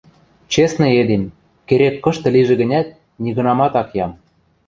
Честный эдем, керек-кышты лижӹ гӹнят, нигынамат ак ям.